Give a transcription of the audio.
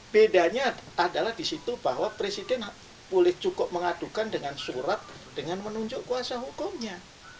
bedanya adalah di situ bahwa presiden boleh cukup mengadukan dengan surat dengan menunjuk kuasa hukumnya